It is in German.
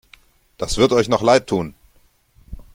Das wird euch noch leidtun!